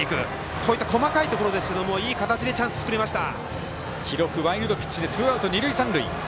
こういった細かいところですけどいい形でチャンス作れました。